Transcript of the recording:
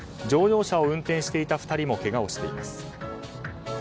乗用車を運転していた２人もけがをしています。